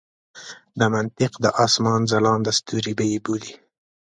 د منطق د اسمان ځلانده ستوري به یې بولي.